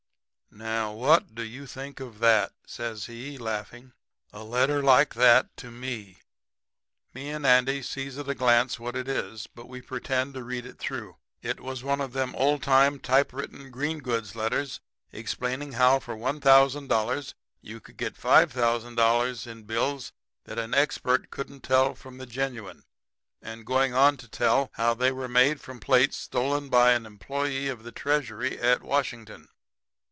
"'Now, what do you think of that?' says he, laughing 'a letter like that to ME!' "Me and Andy sees at a glance what it is; but we pretend to read it through. It was one of them old time typewritten green goods letters explaining how for $1,000 you could get $5,000 in bills that an expert couldn't tell from the genuine; and going on to tell how they were made from plates stolen by an employee of the Treasury at Washington.